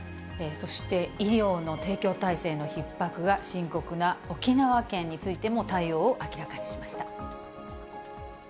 そして、医療の提供体制のひっ迫が深刻な沖縄県についても対応を明らかにしました。